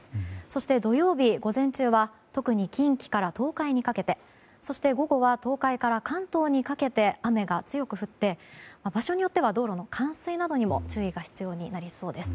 そして土曜日午前中は特に近畿から東海にかけてそして、午後は東海から関東にかけて雨が強く降って場所によっては道路の冠水などにも注意が必要になりそうです。